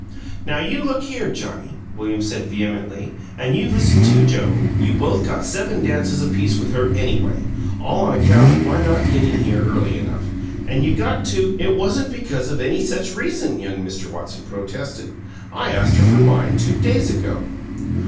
"Now you look here, Johnnie," William said, vehemently, "and you listen, too, Joe! You both got seven dances apiece with her, anyway, all on account of my not getting here early enough, and you got to " "It wasn't because of any such reason," young Mr. Watson protested. "I asked her for mine two days ago."